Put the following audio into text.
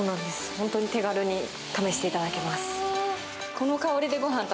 本当に手軽に試していただけます。